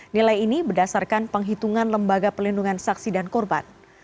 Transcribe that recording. nilai ini berdasarkan penghitungan lembaga pelindungan saksi dan korban